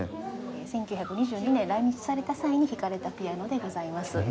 １９２２年来日された際に弾かれたピアノでございます。